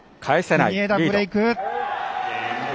国枝ブレイク。